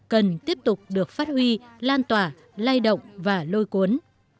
cần tiếp tục được phát huy lan tỏa lai động và lôi cuốn